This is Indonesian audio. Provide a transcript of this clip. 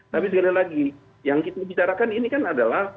tapi sekali lagi yang kita bicarakan ini kan adalah